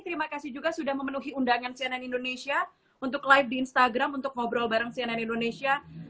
terima kasih juga sudah memenuhi undangan cnn indonesia untuk live di instagram untuk ngobrol bareng cnn indonesia